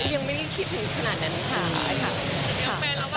ยังไม่ได้คิดถึงขนาดนั้นค่ะ